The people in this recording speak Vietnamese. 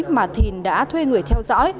mà thìn đã thuê người theo dõi